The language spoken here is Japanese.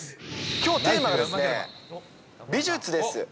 きょうテーマが美術です。